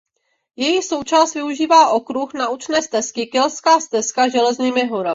Její část využívá okruh naučné stezky Keltská stezka Železnými horami.